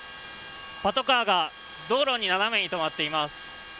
パトカーが道路に斜めに止まっています。